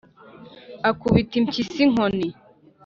Akubita impyisi inkoni